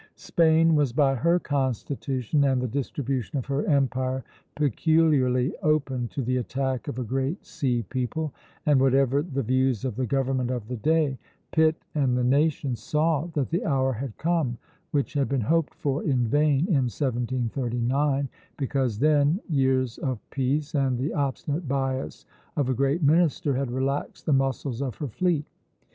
Spain was by her constitution and the distribution of her empire peculiarly open to the attack of a great sea people; and whatever the views of the government of the day, Pitt and the nation saw that the hour had come, which had been hoped for in vain in 1739, because then years of peace and the obstinate bias of a great minister had relaxed the muscles of her fleet.